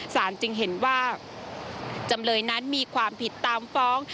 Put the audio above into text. จึงเห็นว่าจำเลยนั้นมีความผิดตามฟ้อง